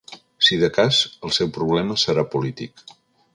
Si de cas, el seu problema serà polític.